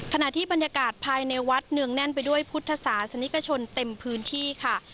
ขณะที่บรรยากาศภายในวัดเนืองแน่นไปด้วยพุทธศาสนิกชนเต็มพื้นที่ค่ะ